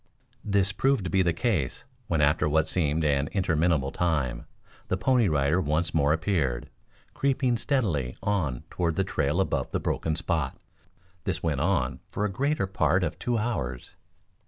This proved to be the case when after what seemed an interminable time, the Pony Rider once more appeared, creeping steadily on toward the trail above the broken spot. This went on for the greater part of two hours.